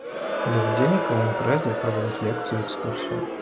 Для удзельнікаў імпрэзы правядуць лекцыю і экскурсію.